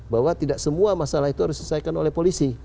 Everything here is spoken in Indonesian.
bahwa tidak semua masalah itu harus diselesaikan oleh polisi